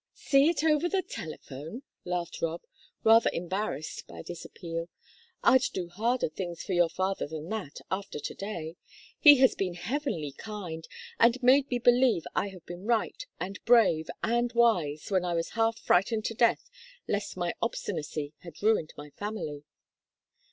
"See it over the telephone?" laughed Rob, rather embarrassed by this appeal. "I'd do harder things for your father than that, after to day! He has been heavenly kind, and made me believe I have been right, and brave, and wise when I was half frightened to death lest my obstinacy had ruined my family."